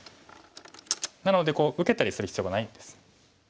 なので受けたりする必要がないんです。